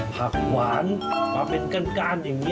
ผักหวานมาเป็นก้านอย่างนี้